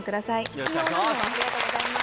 よろしくお願いします。